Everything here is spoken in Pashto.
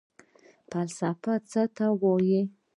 فلسفه څه ته وايي؟